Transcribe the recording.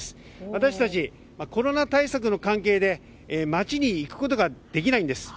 私たち、コロナ対策の関係で街に行くことができないんです。